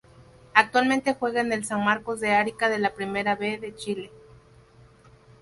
Actualmente juega en el San Marcos de Arica de la Primera B de Chile.